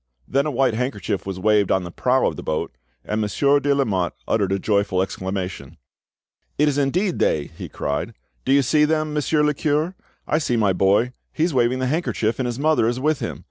Then a white handkerchief was waved on the prow of the boat, and Monsieur de Lamotte uttered a joyful exclamation. "It is indeed they!" he cried. "Do you see them, Monsieur le cure? I see my boy; he is waving the handkerchief, and his mother is with him.